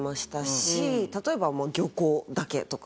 例えば漁港だけとか。